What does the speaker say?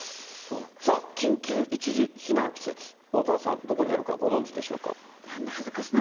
さあ、緊急一時避難施設、おおたわさん、どこにあるかご存じでしょうか。